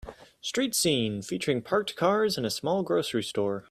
Street scene featuring parked cars and a small grocery store